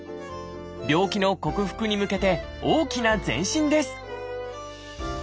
病気の克服に向けて大きな前進です